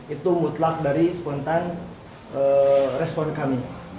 itu mutlak dari spontan respon kami